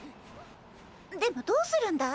でもどうするんだい？